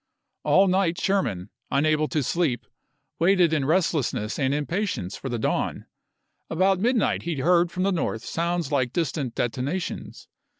All night Sherman, unable to sleep, waited in restless ness and impatience for the dawn. About mid night he heard from the north sounds like distant detonations.